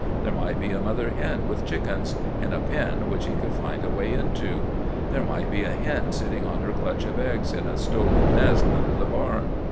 There might be a mother hen with chickens, in a pen which he could find a way into. There might be a hen sitting on her clutch of eggs in a stolen nest under the barn.